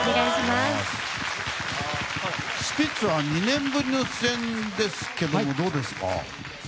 スピッツは２年ぶりの出演ですけどどうですか？